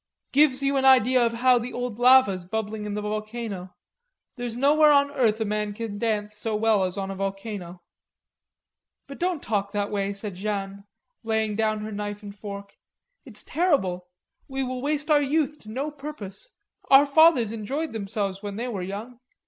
"Gives you an idea of how the old lava's bubbling in the volcano. There's nowhere on earth a man can dance so well as on a volcano." "But don't talk that way," said Jeanne laying down her knife and fork. "It's terrible. We will waste our youth to no purpose. Our fathers enjoyed themselves when they were young....